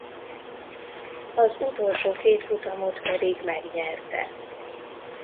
Az utolsó két futamot pedig megnyerte.